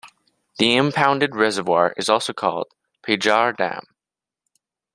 The impounded reservoir is also called Pejar Dam.